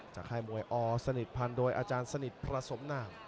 จากท่ายมวยอสนิทพันครับ